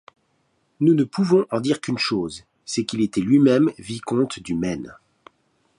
Nous ne pouvons en dire qu'une chose, c'est qu'il était lui-même vicomte du Maine.